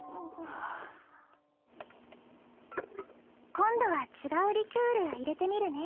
今度は違うリキュール入れてみるね。